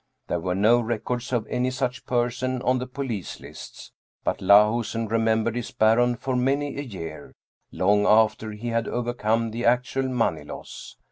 There were no records of any such person on the police lists. But Lahusen remembered his Baron for many a year, long after he had overcome the actual money loss.